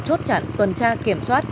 chốt chặn tuần tra kiểm soát